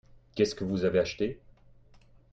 Qu'est-ce que vous avez acheté ?